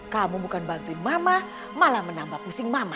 kamu bukan bantuin mama malah menambah pusing mama